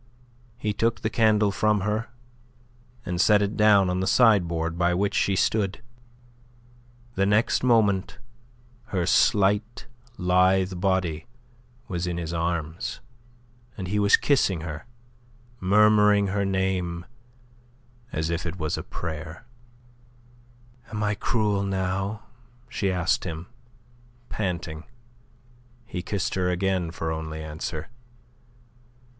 He took the candle from her, and set it down on the sideboard by which she stood. The next moment her slight, lithe body was in his arms, and he was kissing her, murmuring her name as if it were a prayer. "Am I cruel now?" she asked him, panting. He kissed her again for only answer.